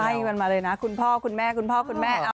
ให้มันมาเลยนะคุณพ่อคุณแม่คุณพ่อคุณแม่